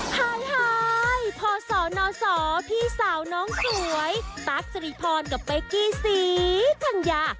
ไฮไฮพ่อสอนอสอพี่สาวน้องสวยปั๊กจริพรกับเป๊กกี้สีทันยา